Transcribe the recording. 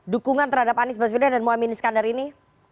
dukungan terhadap anies basmida dan muhammad niskanar ini